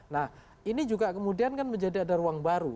nah ini juga kemudian kan menjadi ada ruang baru